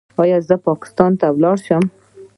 ایا زه پاکستان ته لاړ شم؟